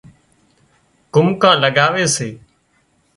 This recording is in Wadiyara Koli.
قومڪان لڳاوي سي